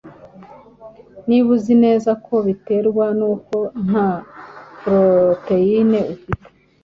niba uzi neza ko biterwa n'uko nta proteine ufite,